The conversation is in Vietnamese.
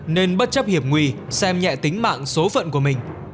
nên bất chấp hiểm nguy xem nhẹ tính mạng số phận của mình